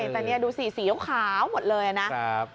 แต่นี่ดูสิสีขาวหมดเลยนะ